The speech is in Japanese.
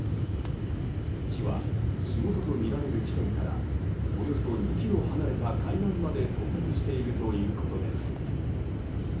火は、火元とみられる地点からおよそ２ｋｍ離れた海岸まで到達しているということです。